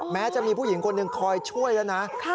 แม้จะมีผู้หญิงคนหนึ่งคอยช่วยแล้วนะ